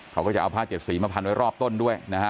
เขาก็จะเอาผ้าเจ็ดสีมาพันไว้รอบต้นด้วยนะฮะ